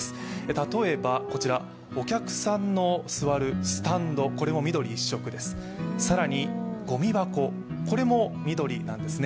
例えばこちら、お客さんの座るスタンド、これも緑一色です、さらにごみ箱、これも緑なんですね。